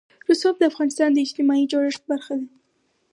رسوب د افغانستان د اجتماعي جوړښت برخه ده.